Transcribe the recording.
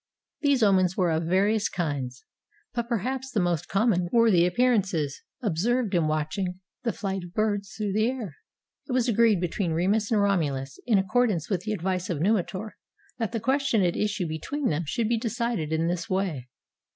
These omens were of various kinds, but perhaps the most com mon were the appearances observed in watching the flight of birds through the air. It was agreed between Remus and Romulus, in ac cordance with the advice of Numitor, that the question at issue between them should be decided in this way.